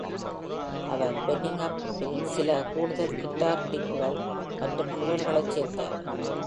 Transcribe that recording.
அவர் "Burning Up" இல் சில கூடுதல் கிட்டார் ரிஃப்கள் மற்றும் குரல்களைச் சேர்த்தார்.